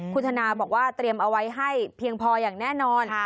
คุณธนาบอกว่าเตรียมเอาไว้ให้เพียงพออย่างแน่นอน